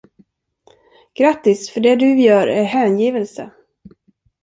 Grattis, för det du gör är hängivelse!